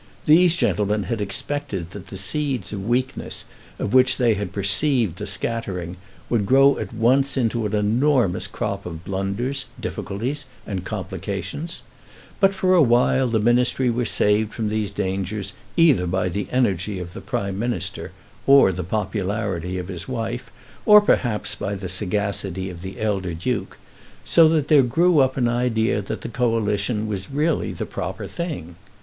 These gentlemen had expected that the seeds of weakness, of which they had perceived the scattering, would grow at once into an enormous crop of blunders, difficulties, and complications; but, for a while, the Ministry were saved from these dangers either by the energy of the Prime Minister, or the popularity of his wife, or perhaps by the sagacity of the elder Duke; so that there grew up an idea that the Coalition was really the proper thing.